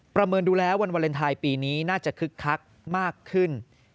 เมินดูแล้ววันวาเลนไทยปีนี้น่าจะคึกคักมากขึ้น